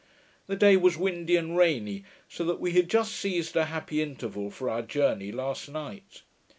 The day was windy and rainy, so that we had just seized a happy interval for our journey last night.